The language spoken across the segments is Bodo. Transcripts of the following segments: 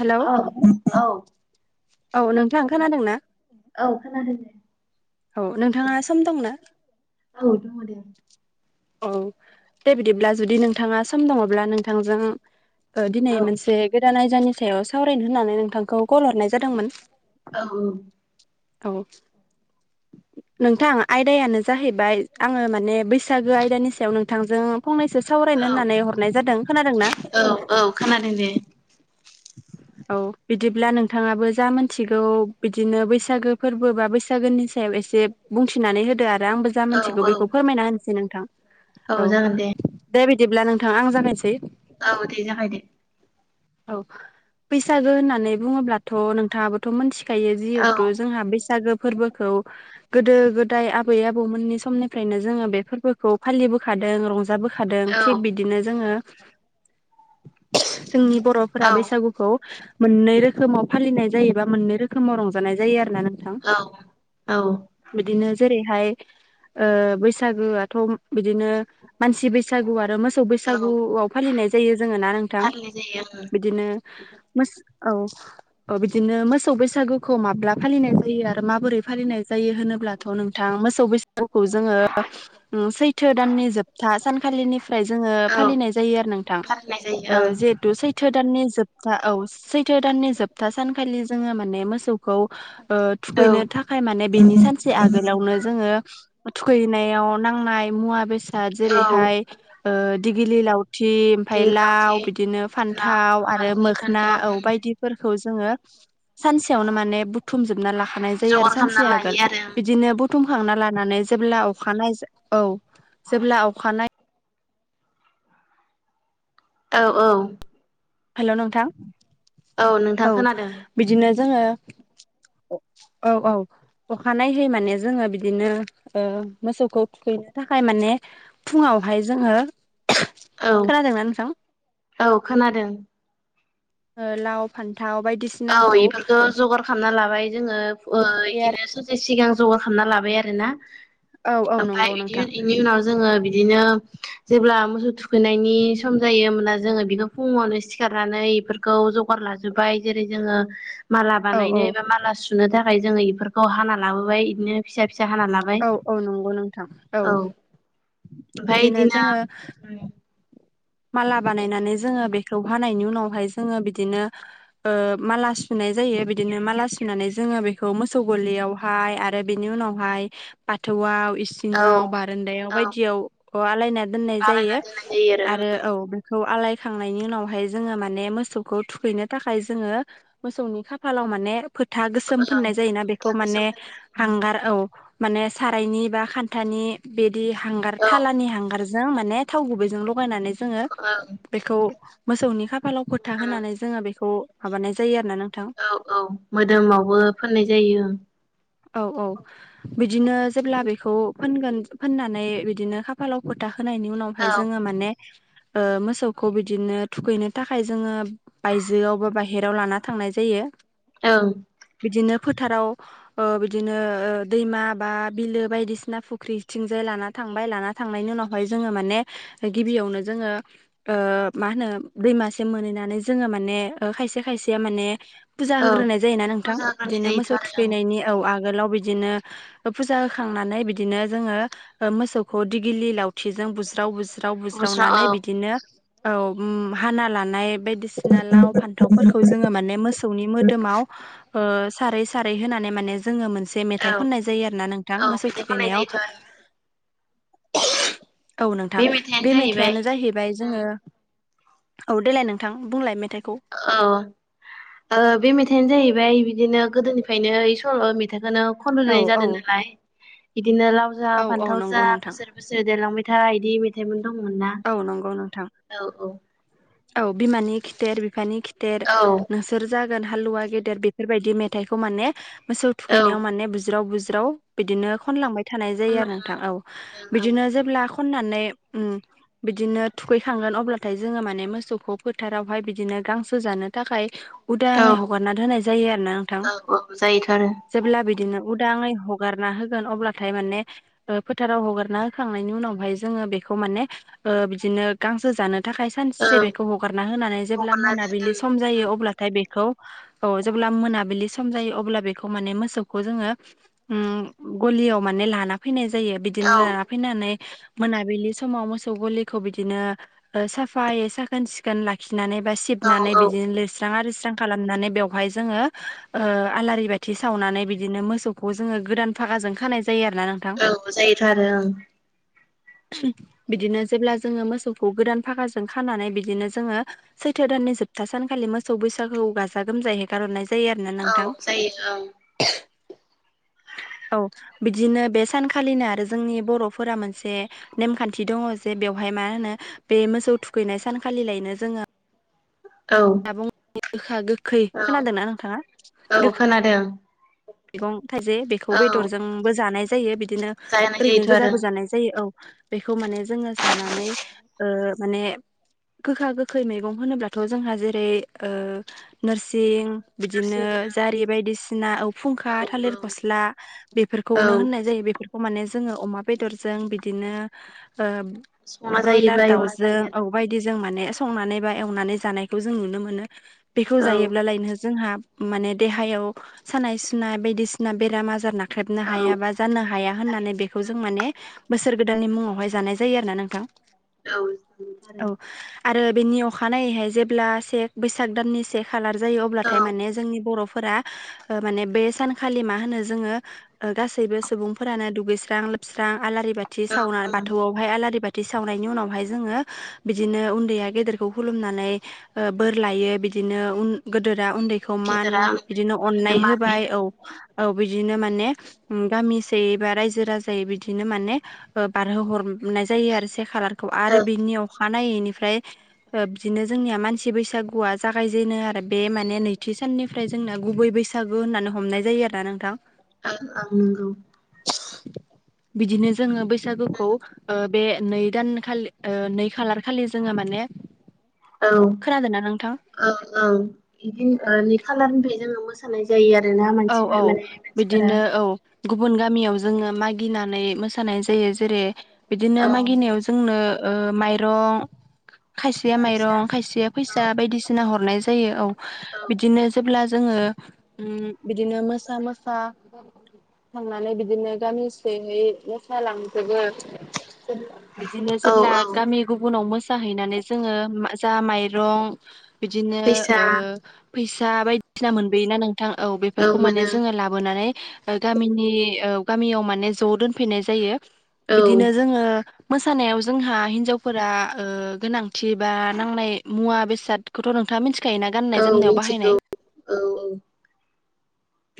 हेलौ औ, औ। औ नोंथां खोनादों ना औ खोनादों दे। औ, नोंथाङा सम दंना? औ दङ दे। औ, दे बिदिब्ला, जुदि नोंथाङा सम दङब्ला नोंथांजों दिनै औ मोनसे गोदान आयदानि सायाव सावरायनो होननानै। नोंथांखौ कल हरनाय जादोंमोन। औ। औ, नोंथां आयदायानो जाहैबाय आङो माने बैसागो आयदानि सायाव नोंथांजों फंनैसो औ सावरायनो होननानै हरनाय जादों। खोनादों ना? औ, औ खोनादों दे। औ बिदिब्ला नों नोंथाङाबो जा मिथिगौ बिदिनो बैसागो फोरबो बा बैसागोनि सायाव एसे बुंथिनानै होदो आरो आंबो जा औ मिथिगौ औ बेखौ फोरमायना होनोसै नोंथां औ जागोन दे दे बिदिब्ला नोंथां आं जानायसै औ दे जाबाय दे औ बैसागो होननानै बुङोब्लाथ' नोंथाङाबोथ' मोनथि खायो औ जिहेथु जोंहा बैसागो फोरबोखौ गोदो गोदाय आबै आबौमोननि समनिफ्रायनो जोङो बे फोरबोखौ फालिबोखादों रंज बोखादों औ थिग बिदिनो जोङो जोंनि औ बर'फोरा बैसागुखौ मोननै रोखोमाव फालिनाय जायो बा मोननै रोखोमाव रंजानाय जायो आरो ना औ औ बिदिनो जेरैहाय बैसागोआथ' बिदिनो मानसि बैसागु आरो मोसौ बैसागुआव फालिनाय जायो जोङो ना नोंथां फालिनाय जायो बिदिनो मोस औ औ बिदिनो मोसौ बैसागुखौ माब्ला फालिनाय जायो आरो माबोरै फालिनाय जायो होनोब्ला ब्लाथ नोंथां मोसौ खौ जोङो सैथो दाननि जोबथा सानखालिनिफ्राय जोङो ओं औ फालिनाय जायो आरो नोंथां फालिनाय जायो जेहेथु सै नि जोबथा औ सैथ' दाननि जोबथा सानखालि जोङो माने मोसौ खौ ओं थुखैनो थाखाय माने बेनि सानसे आगोलावनो जोङो थुखैनायाव नांनाय मुवा बेसाद औ जेरैहाय दिगिलिलाव- थि दै ओमफफ्राय लावथि लाव बिदिनो लाव फान्थाव आरो हालदै मोखोन फान्थाव औ ओं बायदिफोरखौ जोङो सानसेयावनो माने बुथुम जोबना लाखानाय जायो जगार आरो खालामना सानसे लायो आगोल आरो बिदिनो बुथुम खांना लानानै जेब्ला अखानाय औ जेब्ला अखानाय औ औ हेल' नोंथां नोंथां औ खोनादों बिदिनो जोङो औ औ अखानाय होयै माने जोङो बिदिनो ओ मोसौखौ थुखैनो थाखाय माने फुङावहाय जोङो औ खोनादोंना नोंथां औ खोनादों लाव फान्थाव औ बायदिसिनाखौ इफोरखौ जगार खालामना लाबाय जोङो बिदिनो सासे सिगां जगार खालामना लाबाय आरोना औ औ ओमफफ्राय नंगौ बिदि नोंथां बेनि उनाव जोङो बिदिनो जेब्ला मोसौ थुखैनायनि सम जायो होनब्ला जोङो बिनाव फुङावनो सिखारनानै बेफोरखौ जगार लाबोनाय जेरै जोङो माला औ औ बानायनाय बा माला सुनाय सुनो थाखाय जोङो इफोरखौ हाना लाबोबाय बिदिनो फिसा फि फिसा हाना लाबाय औ औ नंगौ नोंथां औ ओमफ्राय बिदिनो इदिना जोङो माला बानायनानै जोङो बेखौ हानायनि उनावहाय जोङो बिदिनो माला ओ सुनाय जायो बिदिनो माला सुनानै जोङो बेखौ मोसौ गलियाव हाय आरो बिनि उनाव हाय बाथौआव औ इसिङाव बारान्दायाव औ बायदियाव आलायना दोननाय बानायना जायो दोननाय जायो आरो औ आरो बेखौ आलायखांनायनि उनावहाय जोङो माने मोसौखौ थुखैनो थाखाय जोङो मोसौ न'नि खाफालाव माने फोथा गोसोम ओं फोननाय जायोना फोथा बेखौ गोसोम माने फोननाय जायो हांगार औ माने सारायनि बा खान्थानि बिदि हांगार औ थालानि हांगारजों माने थाव गुबैजोंल' थगायनानै जोंङो ओं बेखौ मोसौनि खाफालाव फोथा ओं होनानै जोंङो बेखौ माबानाय जायो आरो ना नों औ औ मोदोमावबो फोननाय जायो औ औ बिदिनो जेब्ला बेखौ फोनगोन फोननानै बिदिनो खाफालाव फोथा होनायनि औ उनावहाय जोंङो माने मोसौखौ बिदिनो थुखैनो थाखाय जोंङो बायजोआव बा बाहेराव लाना थांनाय जायो। ओंग। बिदिनो फोथाराव बिदिनो दैमा बा बिलो बायदिसि फुख्रि थिंगजाय। लाना थांबाय लाना थांनायनि उनावहाय जोंङो माने। गिबियावनो जोंङो मा होनो दैमासिम मोनहैनानै जोंङो माने खायसे खायसे। माने फुजा औ होग्रोनाय जायोना नोंथां? फुजा होग्रोनाय बिदिनो जायोथ' मोसौ आरो ओं थुखैनायनि औ। आगोलाव बिनो फुा होनानै बिदिनो जोंङो मोसौखौ दिगिलि लावथि जों। ब्रुज्राव बुज्राव बोसोराव नानै औ बिदिनो हाना लानाय! बायदिसिना लाव फान्थावफोरखौ जोंङो माने मोसौनि मोदोमाव। सारै सारै होनानै माने। जोंङो मोनसे औ मेथाइ खननाय जायो आरो ना। नोंथां औ मोसौ मेथाइ खननाय जायोथ' थुखैनायाव। आरो औ नोंथां मेथाइयानो बे जाहैबाय मेथाइयानो जाहैबाय उम जोंङो औ देलाय नोंथां बुंलाय मेथाइ! औव बे मेथाइआनो जाहैबाय। ओमफ्राय बिदिनो गोदोनिफ्रायनो बे सल' मेथाइखौनो औ खननाय औ जादों नालाय। बिदिनो लाव जा औ औ फान्थाव जा नंगौ नोंथां बोसोर बोसोर देरलांबाय था मेथाइ इदि मेथाइ थाइमोन। दंमोन ना? औ नंगौ नोंथां औ औ। औ बिमानि खिथेर बिफानि खिथेर औ नोंसोर जागोन गोलाव गिदिर। हालुवा गेदेर बेफोरबादि मेथाइखौ माने मोसौ औ थुखैनायाव माने बुज्राव बुज्राव खननो। बिदिनो खनलांबाय थानाय जायो आरो नोंथां खनलाङो औ ओं ओं बिदिनो जेब्ला खननानै। ओम [unintelligible] बिदिनो थुखैखांगोन अब्लाथाय! जोंङो माने मोसौखौ फोथारावहाय बिदिनो गांसो जानो थाखाय खावलायनाय जायो। औ उदाङै हगारना होनाय जायो आरोना नोंथां औ औ जायोथ' आरो जेब्ला बिदिनो। उदांङै हगारना होगोन अब्लाथाय माने फोथाराव हगारना होखांनायनि उनावहाय जोंङो बेखौ। माने बिदिनो गांसो जानो। थाखाय सानसे ओं बेखौ हगारना होनानै जेब्ला हगारना मोनाबिलि दोन सम जायो अब्लाथाय बे। औ जेब्ला मोनाबिलि सम जायो अब्ला बेखौ माने मोसौखौ जोंङो गलियाव माने लाना फैनाय जायो औ बिदिनो लाना फैनानै मोनाबिलि समाव मोसौ। मोसौ गलिखौ बिदिनो साफायै साखोन सिखोन लाखिनाय जायो। सिनानै बा औ सिबनानै औ बिदिनो लिरस्रां आरो। सारां खालामनानै बेवहाय जोंङो आलारि बाथि सावनानै बिदिनो मोसोवखौव। फागाजों खानाय जायो। औव जायोथ'आरो ओं। [inaudible] बिदिनो जेब्ला जोंङो मोसौखौ गोदान फाखााजों खानानै बिदिनो जोंङो सैथो दाननि जोबथा सानखालि। मोसौ बैसागु खौ गाजा गोमजायै गारहरनाय जायो आरो औ नोंथां। [inaudible] जायो औ बिदिनो बे सानखालिनो आरो जोंनि बर'फोरा मोनसे नेमखान्थि। थि दंङ जे बेवहाय मा होनो बे मोसौ थुखैनाय सानखालिलायनो जोंङो। औ गोखा गोखै औ खोनादोंना नोंथाङा? औ खोनादों मैगं थाइसे बेखौ औ बेदरजोंबो जानाय जायो बिदिनो जानाय ओरैनो जायोथ' आरो गोजाबो जानाय जायो। औ बेखौ माने जोंङो जानानै माने। गोखा गोखै मैगं होनब्लाथ' जोंहा जेरै नोरसिं बिदिनो नोरसिं बिलाइ जारि बायदिसिना। औ फुंखा औ थालिर गस्ला औ बेफोरखौनो होननाय जायो। माने जोङो अमा बेदरजों बिदिनो। संना ब्रयलार जायोबा एवना दाउजों जायो औ बायदिजों माने। संनानै बा एवनानै जानायखौ जों नुनो मोनो बेखौ औ जायोब्लालायनो जोंहा। माने देहायाव सानाय सुनाय बायदिसिना बेराम आजार नौ। ख्रेबनो जायो औ हाया बा जानो हाया होननानै बेखौ जों माने बोस। इसोर गोदाननि मुङावहाय जानाय जायो आरो ना नोंथां। औ आरो बेनि अखानायैहाय जेब्ला से बैसाग दाननि से खालार जायो औ अब्लाथाय माने जोंनि बर'फोरा ओ माने बे सानखालि मा होनो जोङो गासैबो सुबुंफोरानो दुगैस्रां लोबस्रां आलारि बाथि ओं सावना बाथौआवहाय आलारि बाथ थि सावनायनि उनावहाय जोङो बिदिनो उन्दैया गेदेरखौ खुलुमनानै बोर लायो बि बिदिनो उन गेदेरा उन्दैखौ मान गिदिरा उन्दैनो बिदिनो बोर अननाय मान होबाय होयो औ औ बिदिनो माने गामिसेयै बा रायजो राजायै बिदिनो माने बारहोहर हरनाय जायो आरो से खालारखौ आरो ओं बिनि अखानायैनिफ्राय बिदिनो जोंनिया मानसि बैसागुआ जागायजेनो आरो बे माने नैथि साननिफ्राय जोंना गुबै बैसागु होननानै हमनाय जायो आरो ना नोंथां। [unintelligible] नोंगौ [unintelligible] बिदिनो जोङो बैसागुखौ ओ बे नै दान खालि ओ नै खालार खालि जोङो माने औ खोनादोंना नोंथां औ औ बिदिन ओ नै खालारनिफ्राय जोङो मोसा जायो आरो औ औ बिदिनो औ गुबुन गामियाव जोङो मागिनानै मोसानाय जायो जेरै बिदिनो औ मागिनायाव जोंनो माइरं खायसेया फैसा माइरं खायसेया औ फैसा बायदिसिना हरनाय जायो औ बिदिनो जेब्ला जोङो उम बिदिनो मोसा मोसा थांनानै बिदिनो गामिसेयै मोसालांजोबो बिदिनो औ जेब्ला गामि गुबुनाव मोसे जाहैनानै जोङो जा माइरं बिदिनो फैसा ओ फैसा बायदिसिना मोनबोयोना नोंथां औ बेफोरखौ माने जोङो लाबोनानै गामिनि ओ गामियाव माने ज' दोनफैनाय जायो औ बिदिनो जोङो मोसानायाव जोंहा हिनजावफोरा ओ गोनांथि बा नांनाय मुवा बेसादखौथ' नोंथाङा मिथि गाननाय औ जोमनायाव मिथिगौ बाहायनाय [inaudible] औ औ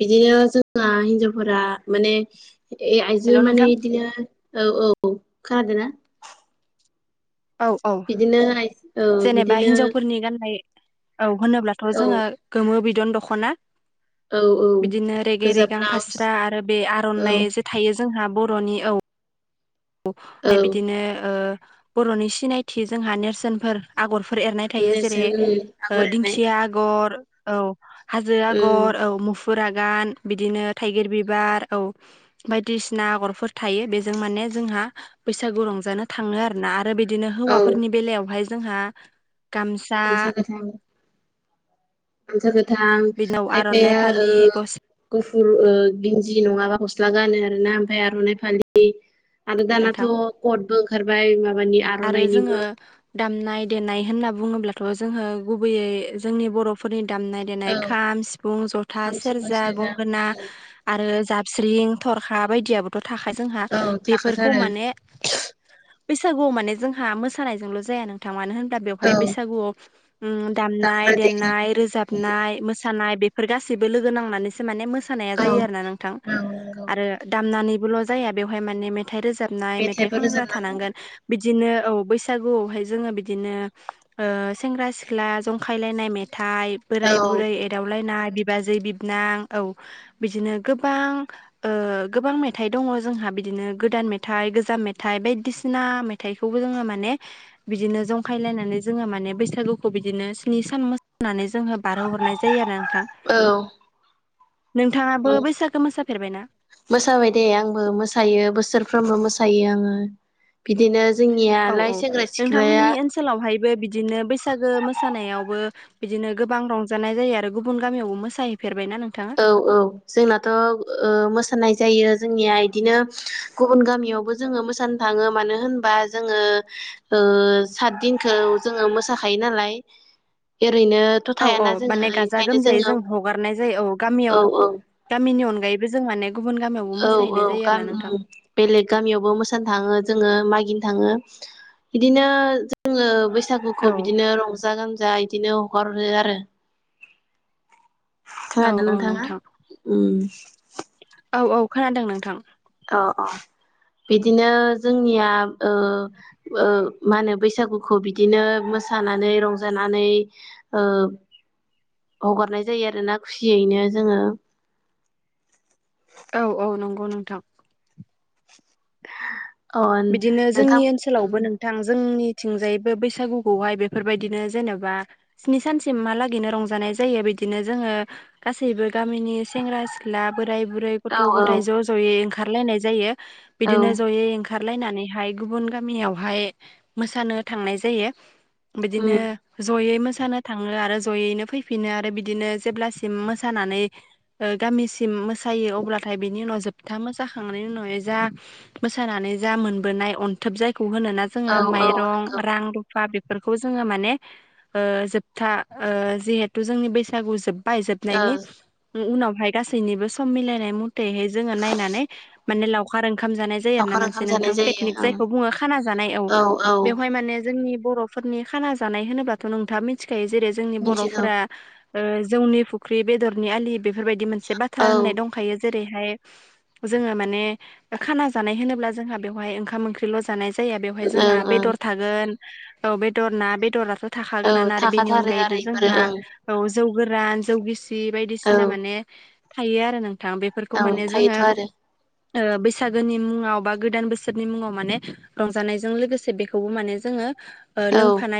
बिदिनो जोंना हिनजावफोरा माने ए आइजो हेल' माने नोंथां इदिनो औ औ खोनादों ना औ औ औ जेनेबा बिदिनो हिनजावफोरनि गाननाय औ होनोब्लाथ' औ जोङो गोमो बिदि गोदान दखना औ औ बिदिनो रेगे गोजा रेगां ब्लाउस फास्रा आरो बे औ आर'नाइ जे थायो जोंहा बर'नि औ औ ओमफ्राय बिदिनो ओ बर'नि सिनायथि जोंहा नेरसोनफोर आगर फोर एरनाय थायो जेरै नेरसोन उम आगर एरनाय दिंखिया आगर औ हाजो आगर उम औ फुरागान बिदिनो थाइगिर बिबार औ बायदिसिना आगरफोर थायो बेजों माने जोंहा बैसागु रंजानो थाङो आरोना आरो बिदिनो औ हौवाफोरनि बेलायावहाय जोंहा गामसा मजा गोथां बिनाव आर'नाइ खायफाया ओ फालि गस्ला गुफ [unintelligible] बिन्ज नङाबा गस्ला गानो आरोना ओमफ्राय आर'नाइ फालि आरो दानाथ' नोंथां कटबो ओंखारबाय माबानि आरो जोङो आर'नाइनिबो दामनाय देनाय होनना बुङोब्लाथ' जोङो गुबैयै जोंनि बर'फोरनि दामनाय देनाय औ खाम सिफुं जथा खाम सिफुं सेरजा गंगोना उम आरो जाबस्रिं थरखा बायदियाबोथ' थाखा जोंहा औ बेफोरखौ थाखाथारो माने [unintelligible] बैसागुआव मा माने जोंहा मोसानायजोंल' जाया नोंथां मानो होन दा औ बेवहाय बैसागुआव उम दामनाय दामग्रा देग्रा देनाय रोजाबनाय मोसानाय बे फोर गासैबो लोगो नांनानैसो माने मोसानाया औ जायो आरो ना नोंथां नंगौ आरो दामनानै ल' जाया बेवहाय माने मेथाइ रोजाबनाय मेथाइ मेथाइबो खनग्रा रोजाबनांगौ थानांगोन बिदिनो औ बैसागुआवहाय जोङो बिदिनो ओ सेंग्रा सिख्ला जंखायलायनाय मेथाइ [unintelligible] औ बोराय बुरै एदावलायनाय बिबाजै बिबनां औ बिदिनो गोबां ओ गोबां मेथाइ दङ जोंहा। बिदिनो गोदान मेथाइ गोजाम मेथाइ बायदिसिना मे थाइखौबो जोङो माने बिदिनो जंखायलायनानै जोङो माने बैसागुखौ बिदिनो स्नि सान मोसानानै जोंहा बारहो हरनाय जायो आरो नोंथां। औ नोंथाङाबो बैसागो मोसाफेरबायना? मोसाबाय दे आंबो मोसायो बोसोरफ्रोमबो मोसायो आङो बिदिनो जोंनियालाय सेंग्रा सिख्लाया बे बिदिनो बैसागो मोसानायावबो बिदिनो गोबां रंजानाय जायो आरो गुबुन गामियावबो मोसाहैफेर औ औ जोंनाथ' ओ मोसानाय जायो। जोंनिया इदिनो गुबुन गामियावबो जोङो मोसानो थाङो मानो होनबा जोङो ओ ओ सातदिनखौ जोङो मोसाखायो नालाय। [inaudible] ओरैनोथ' औ औ थायाना जोङो माने गाजा ओंखायनो गोमजायै जोङो जों हगारनाय जायो औ गा मियाव गामिनि अनगायैबो जों माने गुबुन गामियावबो औ औ मोसाहैनाय जायो आरो ना नोंथां। गामि बेलेग गामियावबो मोसानो थाङो जोङो माइक [unintelligible] थाङो बिदिनो जोङो बैसागुखौ औ बिदिनो रंजा गानजा बिदिनो हगार हरो आरो। औ खोनादों औ नोंथाङा नोंथां उम। औ औ खोनादों नोंथां। अ अ। बिदिनो जोंनिया ओ ओ मा होनो बैसागुखौ बिदिनो मोस सानानै रंजानानै ओ हगारनाय जायो आरोना खुसियैनो जोङो। औ औ नंगौ नोंथां। अ बिदिनो जोंनि नोंथां उम ओनसोलावबो नोंथां जोंनि थिंजायबो बैसागुखौहाय बेफोरबायदिनो जेनेबा स्नि सानसिम हालागैनो रंजानाय जायो बि दिनो जोङो गासैबो गामिनि सेंग्रा सिख्ला बोराय बुरै औ गथ' औ गथाय ज' ज'यै ओंखारलायनाय जायो औ बिदिनो ज'यै ओं खारलायनानैहाय गुबुन गामियावहाय मोसानो थांनाय जायो। बिदिनो उम जयै मो सानो थाङो आरो जयैनो फैफिनो आरो बिदिनो जेब्लासिम मोसानानै ओ गामिसिम मोसायो अब्लाथाय बेनि उनाव जोबथा मोसाखांनायनि उनावहाय जा मोसानानै जा मोनबोनाय अनथोब जायखौ होनो ना जोङो औ औ नंगौ माइरं ओ रां बा बेफोरखौ जोङो माने ओ जोबथा ओ जिहेथु जोंनि बैसागु जोब बाय जोबनायनि उनावहाय गासैनिबो सम मिलायनाय मथेैहाय जोङो नायनानै माने लावखार ओंखाम जानाय जायो आरो ना लावखार मानसि ओंखाम जानाय नोंथां जायो पेकनिक ओं जायखौ बुङो खाना जानाय औ बेवहाय माने जों नि बर'फोरनि खाना जानाय होनोबाथ' नोंथाङा मिथिखायो जेरै जोंनि मिथिगौ बर'फोरा ओ जौनि फुख्रि बेदरनि आलि बेफोरबायदि मोनसे बाथ्रा औ होननाय दंखायो जेरै हायो जोङो माने खाना जानाय होनोब्ला जोंहा बेवहाय ओंखाम ओंख्रैल'जानाय जाया बेवहाय जोंहा ओं ओं बेदर थागोन दाव बेदर ना बेदर औ थाखागोनानो आरो बेनि थाखाथारो आरो अनगायैबो इफोरो जोंहा ओं औ जौ गोरान जौगिसि औ बायदिसिना माने थायो आरो नोंथां बेफोरखौ औ माने जोङो थायोथ' आरो ओ बैसागोनि मुङाव बा गोदान बोसोरनि मुङाव माने रंजानायजों लोगोसे बेखौबो माने जोङो ओ औ लोंफानाय